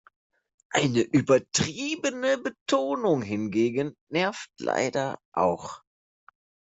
Eine übertriebene Betonung hingegen nervt leider auch.